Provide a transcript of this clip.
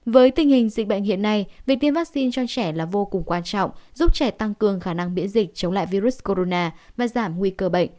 với tình hình dịch bệnh hiện nay việc tiêm vaccine cho trẻ là vô cùng quan trọng giúp trẻ tăng cường khả năng miễn dịch chống lại virus corona và giảm nguy cơ bệnh